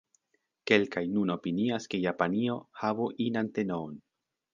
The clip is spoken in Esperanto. Kelkaj nun opinias, ke Japanio havu inan tenoon.